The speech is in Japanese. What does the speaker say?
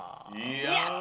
「やった！」